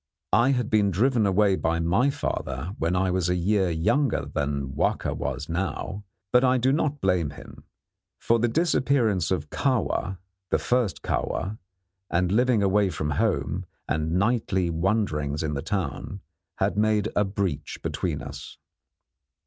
I had been driven away by my father when I was a year younger than Wahka was now, but I do not blame him; for the disappearance of Kahwa the first Kahwa and living away from home and nightly wanderings in the town, had made a breach between us.